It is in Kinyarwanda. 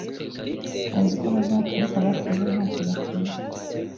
bazi ko bazapfa ariko abapfuye bo nta cyo bakizi